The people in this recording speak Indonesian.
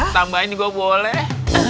tambahin nih gue boleh